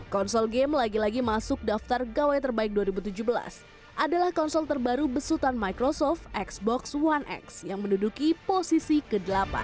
konsol game lagi lagi masuk daftar gawai terbaik dua ribu tujuh belas adalah konsol terbaru besutan microsoft xbox satu x yang menduduki posisi ke delapan